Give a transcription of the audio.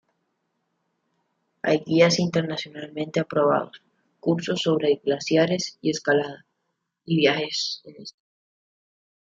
Hay guías internacionalmente aprobados, cursos sobre glaciares y escalada, y viajes en esquí.